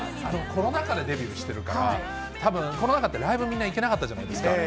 コロナ禍でデビューしてるから、たぶん、コロナ禍ってライブ、みんな行けなかったじゃないですか。